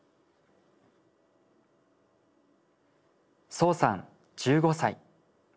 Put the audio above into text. そうさん１５歳。